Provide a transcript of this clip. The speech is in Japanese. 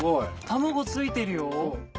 卵付いてるよ。